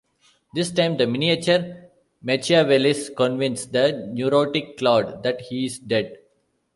This time, the miniature Machiavellis convince the neurotic Claude that he's dead.